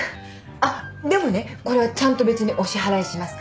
あっでもねこれはちゃんと別にお支払いしますから。